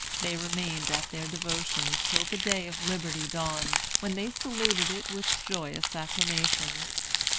They remained at their devotions till the day of liberty dawned, when they saluted it with joyous acclamations.